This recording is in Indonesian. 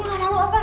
kamu gak malu apa